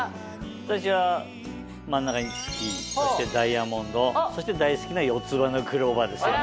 私は真ん中に月そしてダイヤモンドそして大好きな四つ葉のクローバーですよね。